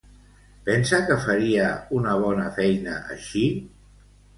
Pensa que faria una bona feina així?